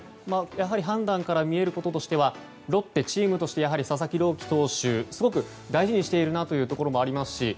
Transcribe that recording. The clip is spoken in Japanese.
判断から見えることとしてはロッテはチームとして佐々木朗希投手をすごく大事にしているなというところもありますし